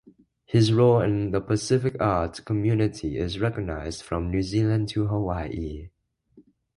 His role in the pacific art community is recognised from New Zealand to Hawaii.